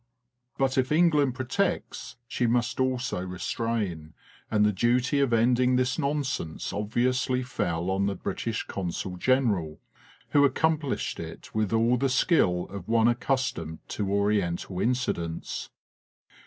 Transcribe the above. But if England protects she must also restrain, and the duty of ending this nonsense obviously fell on the British Consul General, who accomplished it with all the skill of one accustomed to Oriental incidents.